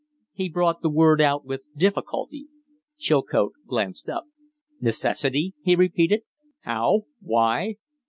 He brought the word out with difficulty. Chilcote glanced up. "Necessity?" he repeated. "How? Why?"